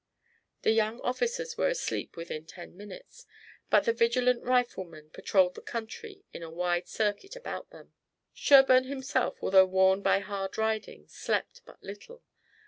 The young officers were asleep within ten minutes, but the vigilant riflemen patrolled the country in a wide circuit about them. Sherburne himself, although worn by hard riding, slept but little.